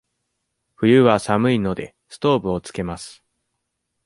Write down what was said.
冬は寒いので、ストーブをつけます。